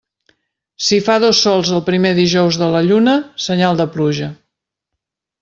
Si fa dos sols el primer dijous de la lluna, senyal de pluja.